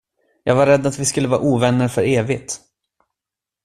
Jag var rädd att vi skulle vara ovänner för evigt.